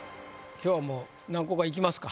今日はもう何個かいきますか。